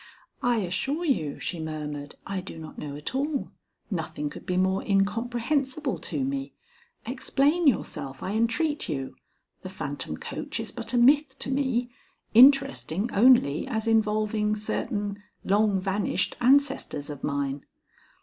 "I assure you," she murmured, "I do not know at all. Nothing could be more incomprehensible to me. Explain yourself, I entreat you. The phantom coach is but a myth to me, interesting only as involving certain long vanished ancestors of mine."